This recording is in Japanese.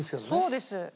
そうです。